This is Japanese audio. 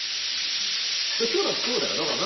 今日だってそうだよ。